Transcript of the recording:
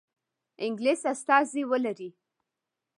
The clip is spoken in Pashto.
انګلیس استازی ولري.